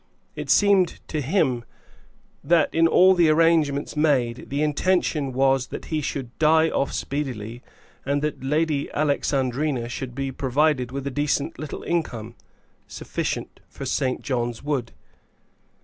It seemed to him that in all the arrangements made the intention was that he should die off speedily, and that Lady Alexandrina should be provided with a decent little income, sufficient for St. John's Wood.